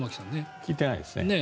聞いていないですね。